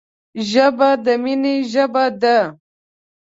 ژبه د مینې ژبه ده